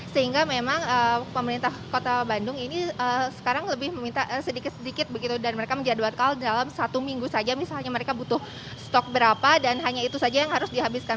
sehingga memang pemerintah kota bandung ini sekarang lebih meminta sedikit sedikit begitu dan mereka menjadwalkan dalam satu minggu saja misalnya mereka butuh stok berapa dan hanya itu saja yang harus dihabiskan